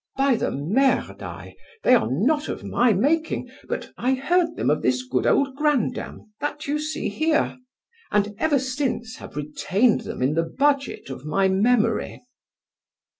By the Merdi, they are not of my making, but I heard them of this good old grandam, that you see here, and ever since have retained them in the budget of my memory.